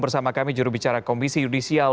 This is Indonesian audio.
bersama kami jurubicara komisi yudisial